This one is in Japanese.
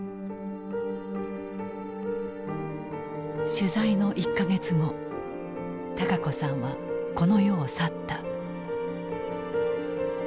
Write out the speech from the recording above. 取材の１か月後孝子さんはこの世を去った。